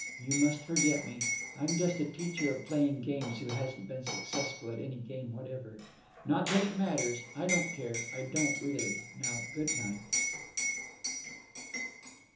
You must forget me. I'm just a teacher of playing games who hasn't been successful at any game whatever. Not that it matters. I don't care. I don't, really. Now, good night."